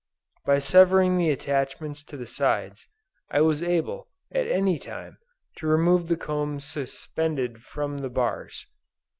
By severing the attachments to the sides, I was able, at any time, to remove the combs suspended from the bars.